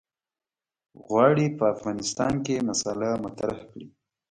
غواړي په افغانستان کې مسأله مطرح کړي.